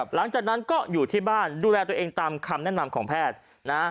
หลังจากนั้นก็อยู่ที่บ้านดูแลตัวเองตามคำแนะนำของแพทย์นะ